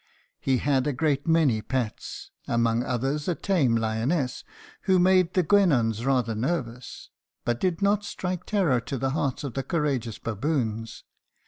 He had a great many pets, among others a tame lioness, who made the guenons rather nervous, but did not strike terror to the hearts of the courageous baboons.